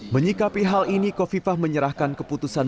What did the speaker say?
menyikapi hal ini kofifah menyerahkan keputusan